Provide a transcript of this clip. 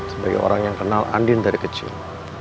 sebagai orang yang kenal andin dari kecil